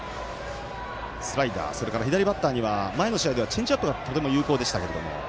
スライダー、それから左バッターには前の試合ではチェンジアップがとても有効でしたけれども。